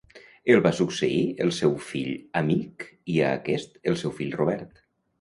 El va succeir el seu fill Amic i a aquest el seu fill Robert.